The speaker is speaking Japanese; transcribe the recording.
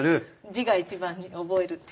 字が一番に覚えるって。